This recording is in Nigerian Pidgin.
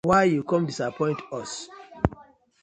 Wai you come us disappoint?